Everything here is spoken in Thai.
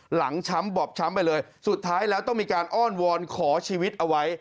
ช้ำบอบช้ำไปเลยสุดท้ายแล้วต้องมีการอ้อนวอนขอชีวิตเอาไว้